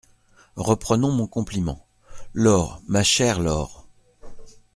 Reprenons mon compliment. "Laure ma chère Laure !…